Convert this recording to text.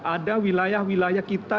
ada wilayah wilayah kita